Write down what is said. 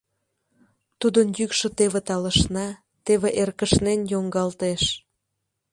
Тудын йӱкшӧ теве талышна, теве эркышнен йоҥгалтеш.